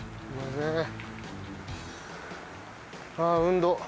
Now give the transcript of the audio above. ああ運動。